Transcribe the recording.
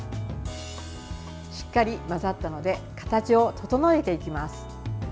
しっかり混ざったので形を整えていきます。